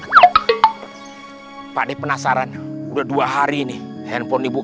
gimana mana sama yang bener bener berani kalian ada ngincip pukul